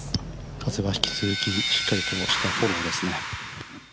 風は引き続き、しっかりとしたフォローですね。